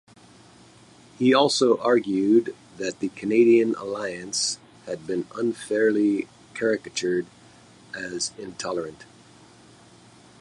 He also argued that the Canadian Alliance had been unfairly caricatured as intolerant.